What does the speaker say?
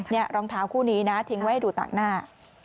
นี่รองเท้าคู่นี้นะทิ้งไว้ให้ดูต่างหน้า